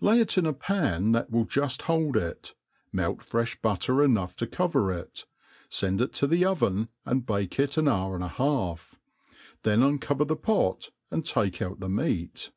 Lay it in a pan that will juft hold it, ^elt frefli butter enough to cover it, fend it tothe oven, and bake it an hour and a half; then uncover the pot, and take out the meat.